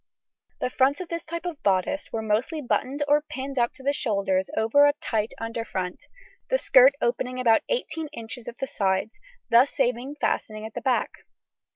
The fronts of this type of bodice were mostly buttoned or pinned up to the shoulders over a tight underfront, the skirt opening about 18 inches at the sides, thus saving a fastening at the back.